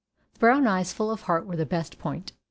The brown eyes full of heart were the best point.